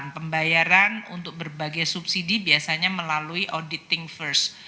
pembayaran untuk berbagai subsidi biasanya melalui auditing first